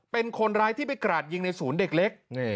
เป็นคนร้ายที่ไปกราดยิงในศูนย์เด็กเล็ก